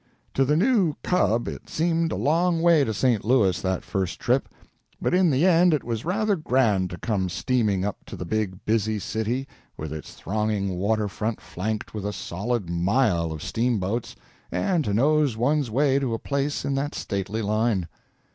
To the new "cub" it seemed a long way to St. Louis that first trip, but in the end it was rather grand to come steaming up to the big, busy city, with its thronging waterfront flanked with a solid mile of steamboats, and to nose one's way to a place in that stately line.